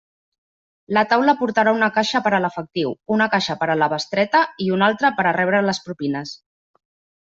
La taula portarà una caixa per a l'efectiu, una caixa per a la bestreta i una altra per a rebre les propines.